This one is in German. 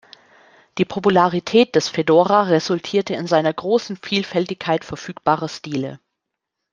Die Popularität des Fedora resultierte in seiner großen Vielfältigkeit verfügbarer Stile.